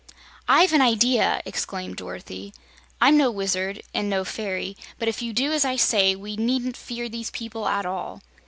"I've an idea!" exclaimed Dorothy. "I'm no wizard, and no fairy, but if you do as I say, we needn't fear these people at all."